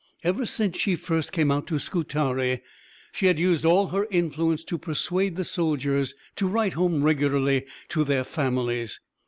Ever since she first came out to Scutari, she had used all her influence to persuade the soldiers to write home regularly to their families.